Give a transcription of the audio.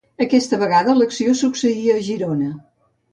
Aquesta vegada, l'acció succeïa a Girona.